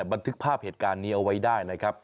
บันทึกภาพเหตุการณ์นี้เอาไว้ได้นะครับ